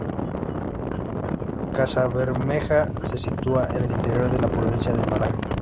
Casabermeja se sitúa en el interior de la provincia de Málaga.